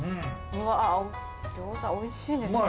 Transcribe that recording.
うわぁ餃子おいしいですね。